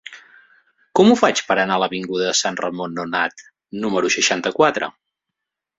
Com ho faig per anar a l'avinguda de Sant Ramon Nonat número seixanta-quatre?